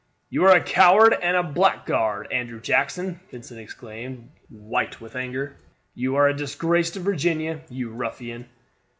"You are a coward and a blackguard, Andrew Jackson!" Vincent exclaimed, white with auger. "You are a disgrace to Virginia, you ruffian!"